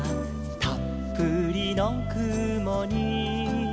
「たっぷりのくもに」